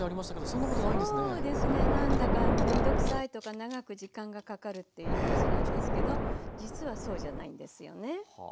そうですね何だか面倒くさいとか長く時間がかかるっていうイメージなんですけど実はそうじゃないんですよね。